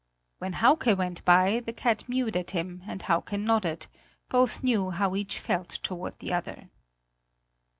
When Hauke went by, the cat mewed at him and Hauke nodded; both knew how each felt toward the other.